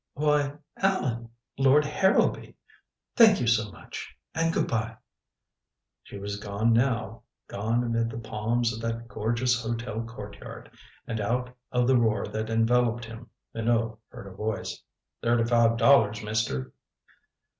"Why Allan, Lord Harrowby. Thank you so much and good by." She was gone now gone amid the palms of that gorgeous hotel courtyard. And out of the roar that enveloped him Minot heard a voice: "Thirty five dollars, mister."